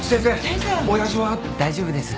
大丈夫です。